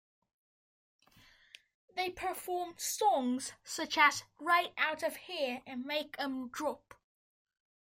They performed songs such as "Right Out of Here" and "Make 'em Drop".